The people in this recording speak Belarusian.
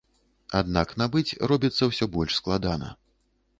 Аднак набыць робіцца ўсё больш складана.